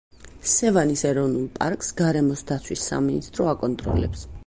სევანის ეროვნულ პარკს გარემოს დაცვის სამინისტრო აკონტროლებს.